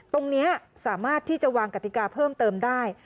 ตรงนี้สามารถที่จะวางกติกาเพิ่มเติมได้